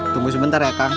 tunggu sebentar ya kang